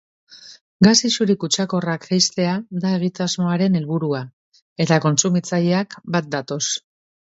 Gas isuri kutsakorrak jaistea da egitasmoaren helburua, eta kontsumitzaileak bat datoz.